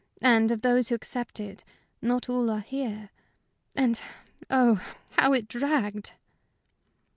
And of those who accepted, not all are here. And, oh, how it dragged!"